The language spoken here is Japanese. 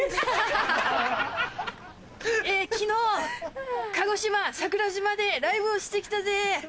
昨日鹿児島・桜島でライブをして来たぜ。